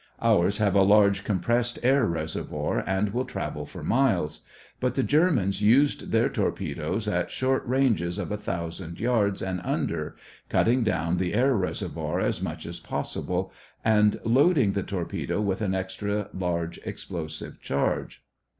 Ours have a large compressed air reservoir and will travel for miles; but the Germans used their torpedoes at short ranges of a thousand yards and under, cutting down the air reservoir as much as possible and loading the torpedo with an extra large explosive charge.